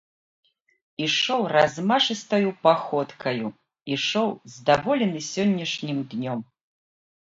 Ішоў размашыстаю паходкаю, ішоў, здаволены сённяшнім днём.